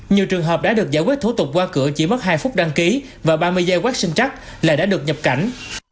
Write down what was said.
nhiều trường hợp đã được giải quyết thủ tục qua cửa chỉ mất hai phút đăng ký và ba mươi giây quát sinh chắc lại đã được nhập cảnh